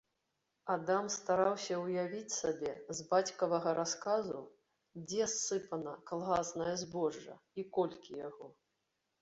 Адам стараўся ўявіць сабе з бацькавага расказу, дзе ссыпана калгаснае збожжа і колькі яго.